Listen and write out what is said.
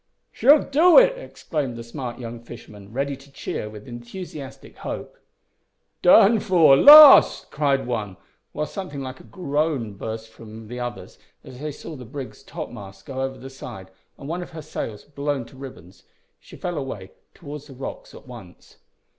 "She'll do it!" exclaimed the smart young fisherman, ready to cheer with enthusiastic hope. "Done for! Lost!" cried one, while something like a groan burst from the others as they saw the brig's topmasts go over the side, and one of her sails blown to ribbons. She fell away towards the rocks at once.